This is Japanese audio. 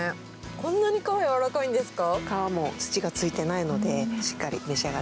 こんなに皮、やわらかいんですか。